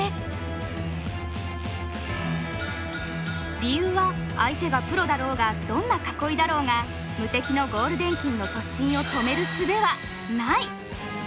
理由は相手がプロだろうがどんな囲いだろうが無敵のゴールデン金の突進を止めるすべはない。